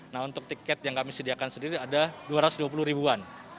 nah untuk tiket yang kami sediakan sendiri ada dua ratus dua puluh ribuan